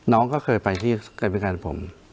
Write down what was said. น้องเขาเคยไปที่กรรมิการผม